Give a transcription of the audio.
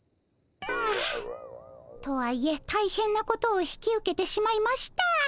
はあとはいえ大変なことを引き受けてしまいました。